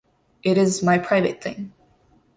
It is my private thing.